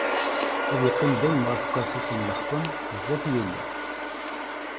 Ad iqqim i dayem ɣef ukersi-s n leḥkwem, sdat Yillu.